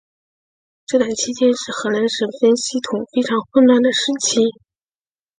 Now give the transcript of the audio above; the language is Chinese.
这段期间是荷兰省分系统非常混乱的时期。